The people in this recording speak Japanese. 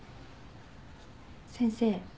先生。